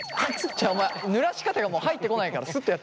ちょっとお前ぬらし方がもう入ってこないからスッてやって。